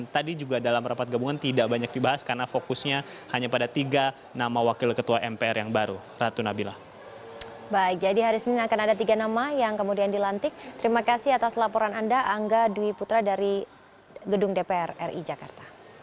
titi soeharto menjawab